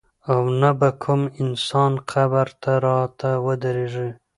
او نه به کوم انسان قبر ته راته ودرېږي.